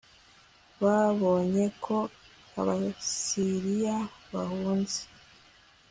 babonye ko abasiriya bahunze